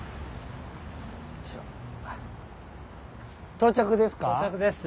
到着ですか？